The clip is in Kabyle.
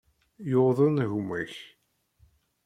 Yuḍen gma-k.